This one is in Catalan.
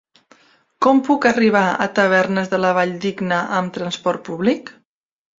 Com puc arribar a Tavernes de la Valldigna amb transport públic?